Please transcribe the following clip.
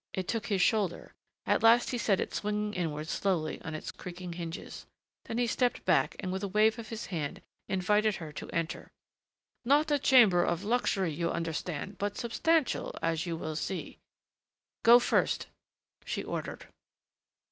It took his shoulder; at last he set it swinging inward slowly on its creaking hinges. Then he stepped back and with a wave of his hand invited her to enter. "Not a chamber of luxury, you understand, but substantial, as you will see " "Go first," she ordered.